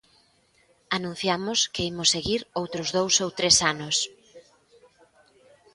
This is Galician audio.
Anunciamos que imos seguir outros dous ou tres anos.